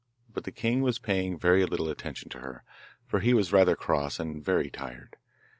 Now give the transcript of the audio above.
But the king was paying very little attention to her, for he was rather cross and very tired.